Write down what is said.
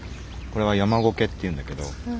これは山苔っていうんだけど。